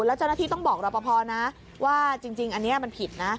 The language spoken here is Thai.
แล้วเจ้าหน้าที่ต้องบอกรอปภนะว่าจริงอันนี้มันผิดนะ